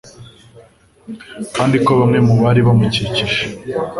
kandi ko bamwe mu bari bamukikije